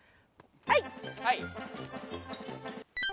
はい！